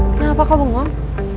kenapa kau bengong